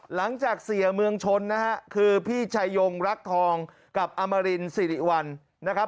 หลังจากเสียเมืองชนนะฮะคือพี่ชายงรักทองกับอมรินสิริวัลนะครับ